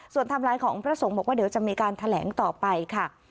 ไทม์ไลน์ของพระสงฆ์บอกว่าเดี๋ยวจะมีการแถลงต่อไปค่ะ